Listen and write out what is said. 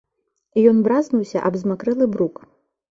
Ён бразнуўся аб замакрэлы брук.